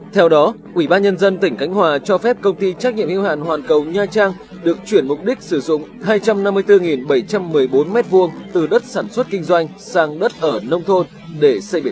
theo đó ub nhân dân tỉnh khánh hòa cho phép công ty trách nhiệm yêu hàn hoàn cầu nha trang được chuyển mục đích sử dụng hai trăm năm mươi bốn bảy trăm một mươi bốn m hai từ đất sản xuất kinh doanh sang đất ở nông thôn để xây bể tự